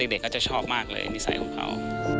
เด็กก็จะชอบมากเลยนิสัยของเขา